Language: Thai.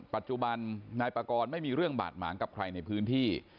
ปัจจุบันนายปากรไม่มีเรื่องบาดหมางกับใครในพื้นที่